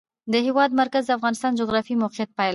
د هېواد مرکز د افغانستان د جغرافیایي موقیعت پایله ده.